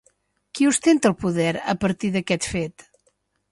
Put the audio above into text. Qui ostenta el poder a partir d'aquest fet?